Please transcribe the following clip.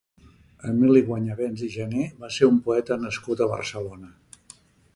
Emili Guanyavents i Jané va ser un poeta nascut a Barcelona.